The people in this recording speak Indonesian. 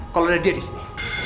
kalau ada dia disini